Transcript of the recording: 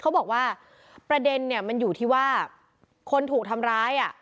เขาบอกว่าประเด็นเนี่ยมันอยู่ที่ว่าคนถูกทำร้าย